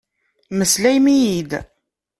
Meslayem-iyi-d!